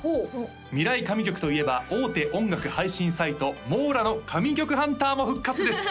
未来神曲といえば大手音楽配信サイトｍｏｒａの神曲ハンターも復活です